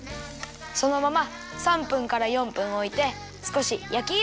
そのまま３分から４分おいてすこしやきいろをつけるよ。